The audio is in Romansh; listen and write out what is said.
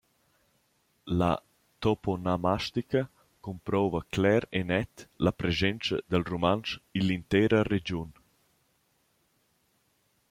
La toponomastica cumprouva cler e net la preschentscha dal rumantsch ill’intera regiun.